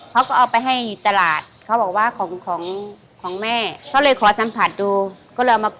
เขาก็เอาไปให้ตลาดเขาบอกว่าของแม่